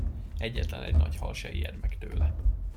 Egyetlenegy nagy hal se ijed meg tőle.